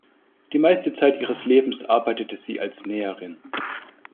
Die meiste Zeit ihres Lebens arbeitete sie als Näherin.